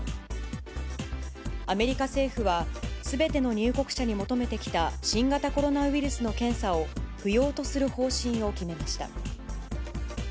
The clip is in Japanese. アメリカ政府は、すべての入国者に求めてきた新型コロナウイルスの検査を不要とする方針を決めました。